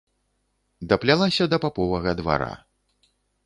Даплялася да паповага двара.